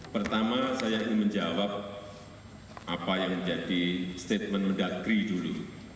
pertama saya ingin menjawab apa yang menjadi statement mendagri dulu